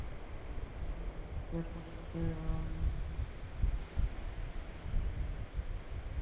সবাই ভারী জ্যাকেট ক্লোজেটে তুলে রেখে একটু পাতলা জ্যাকেট পরা শুরু করেছে।